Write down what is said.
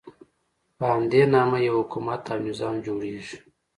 په همدې نامه یو حکومت او نظام جوړېږي.